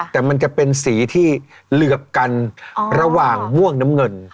แต่มันจะเป็นสีที่เหลือบกันระหว่างม่วงน้ำเงิน